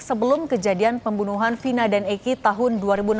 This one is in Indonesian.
sebelum kejadian pembunuhan vina dan eki tahun dua ribu enam belas